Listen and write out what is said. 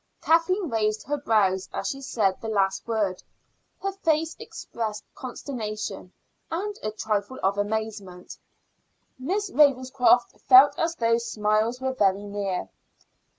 Kathleen raised her brows as she said the last word; her face expressed consternation and a trifle of amazement. Miss Ravenscroft felt as though smiles were very near.